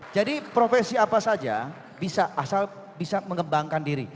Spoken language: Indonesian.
jadi profesi apa saja bisa asal bisa mengembangkan diri